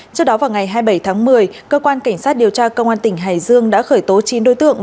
trước đó vào ngày hai mươi bảy tháng một mươi cơ quan cảnh sát điều tra công an tỉnh hải dương đã khởi tố chín đối tượng